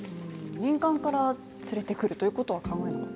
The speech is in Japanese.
民間から連れてくるということは考えなかった？